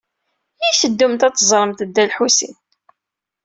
I teddumt ad teẓremt Dda Lḥusin?